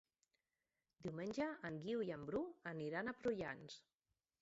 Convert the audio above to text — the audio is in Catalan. Diumenge en Guiu i en Bru aniran a Prullans.